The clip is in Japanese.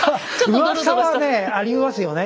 うわさはねありますよね